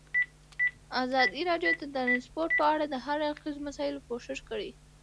ازادي راډیو د ترانسپورټ په اړه د هر اړخیزو مسایلو پوښښ کړی.